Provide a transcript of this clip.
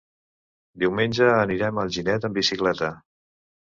Diumenge anirem a Alginet amb bicicleta.